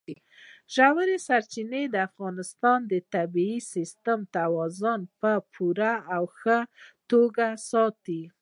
ژورې سرچینې د افغانستان د طبعي سیسټم توازن په پوره او ښه توګه ساتي.